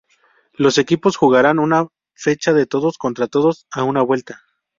Los equipos jugarán una fecha de todos contra todos a una vuelta.